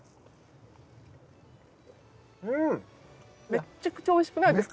めっちゃくちゃおいしくないですか？